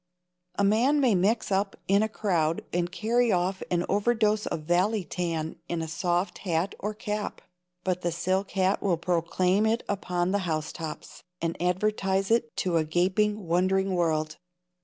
A man may mix up in a crowd and carry off an overdose of valley tan in a soft hat or a cap, but the silk hat will proclaim it upon the house tops, and advertise it to a gaping, wondering world.